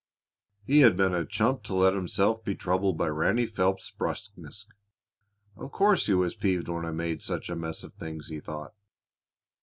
He had been a chump to let himself be troubled by Ranny Phelps's brusqueness. "Of course he was peeved when I made such a mess of things," he thought.